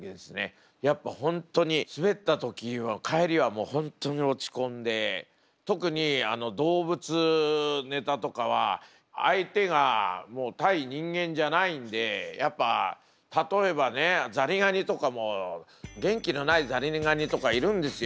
やっぱ本当に滑った時は帰りは本当に落ちこんで特に動物ネタとかは相手が対人間じゃないんでやっぱ例えばねザリガニとかも元気のないザリガニとかいるんですよ。